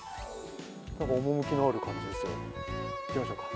趣のある感じですよ、行きましょうか。